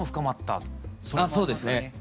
あっそうですね。